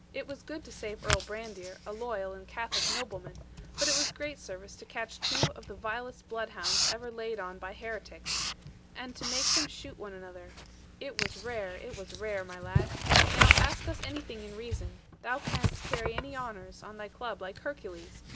It was good to save Earl Brandir, a loyal and Catholic nobleman; but it was great service to catch two of the vilest bloodhounds ever laid on by heretics. And to make them shoot one another: it was rare; it was rare, my lad. Now ask us anything in reason; thou canst carry any honours, on thy club, like Hercules.